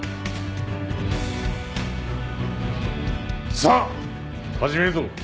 さあ始めるぞ。